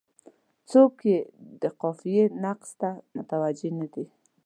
څوک یې د قافیې نقص ته متوجه نه دي.